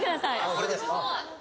これです。